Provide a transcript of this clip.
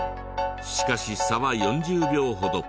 しかし差は４０秒ほど。